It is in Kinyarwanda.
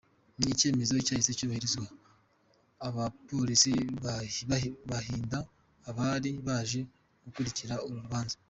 Ni icyemezo cyahise cyubahirizwa, abapolisi bahinda abari baje gukurikira uru rubanza.